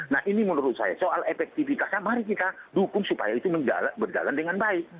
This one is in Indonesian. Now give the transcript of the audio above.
nah ini menurut saya soal efektivitasnya mari kita dukung supaya itu berjalan dengan baik